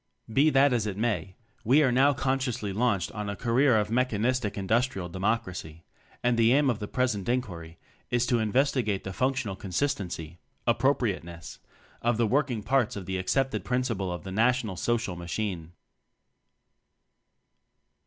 Be that as it may, we are now con sciously launched on a career of mechanistic Industrial Democracy; and the aim of the present inquiry is to investigate the functional con sistency (appropriateness) of the working parts to the accepted prin ciple of the National Social Machine.